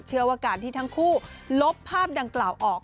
เชื่อว่าการที่ทั้งคู่ลบภาพดังกล่าวออก